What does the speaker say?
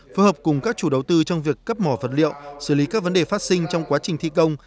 phối hợp cùng các chủ đầu tư trong việc cấp mỏ vật liệu xử lý các vấn đề phát sinh trong quá trình thi công